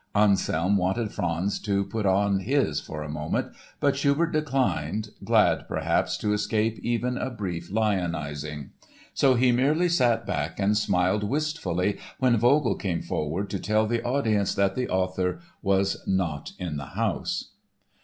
Anselm wanted Franz to put on his for a moment, but Schubert declined, glad, perhaps, to escape even a brief lionizing. So he merely sat back and smiled wistfully when Vogl came forward to tell the audience that the author was "not in the house."